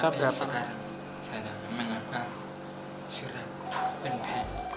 sampai sekarang saya sudah mengangkat surat pendek